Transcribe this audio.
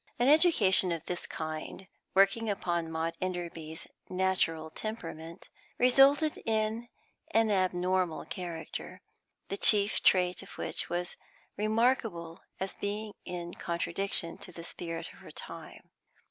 An education of this kind, working upon Maud Enderby's natural temperament, resulted in an abnormal character, the chief trait of which was remarkable as being in contradiction to the spirit of her time.